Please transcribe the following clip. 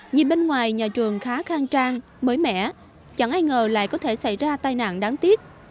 nhìn bên ngoài nhà trường khá khang trang mới mẻ chẳng ai ngờ lại có thể xảy ra tai nạn đáng tiếc